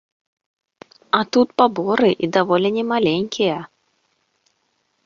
А тут паборы і даволі не маленькія.